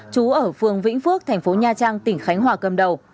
chú ở phường vĩnh phước thành phố nha trang tỉnh khánh hòa cầm đầu